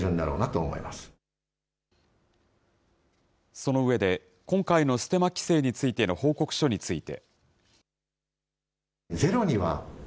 その上で、今回のステマ規制についての報告書について。